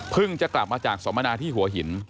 จะกลับมาจากสมนาที่หัวหิน